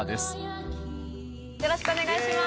よろしくお願いします。